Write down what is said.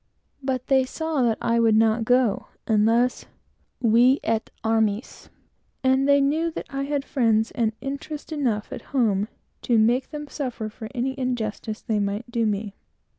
But they saw that I would not go, unless "vi et armis," and they knew that I had friends and interest enough at home to make them suffer for any injustice they might do me.